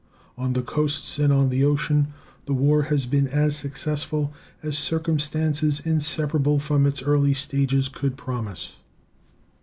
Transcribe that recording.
On the coasts and on the ocean the war has been as successful as circumstances inseparable from its early stages could promise.